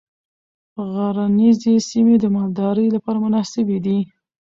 غرنیزې سیمې د مالدارۍ لپاره مناسبې دي.